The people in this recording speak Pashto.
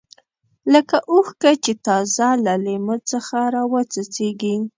لکه اوښکه چې تازه له لیمو څخه راوڅڅېږي.